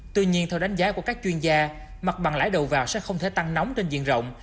tuy nhiên theo đánh giá của các chuyên gia mặt bằng lãi đầu vào sẽ không thể tăng nóng trên diện rộng